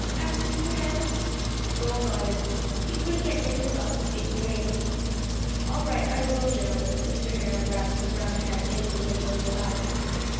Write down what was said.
asked Mr. Harrow. Joel nodded. He couldn't yet bring himself to speak the name. "All right; I will, Joe." Mr. Harrow grasped the brown hand hanging by Joel's side.